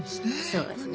そうですね。